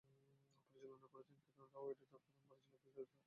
পরিচালনা করেছেন কিরণ রাও, এবং এটি তার প্রথম পরিচালিত চলচ্চিত্র।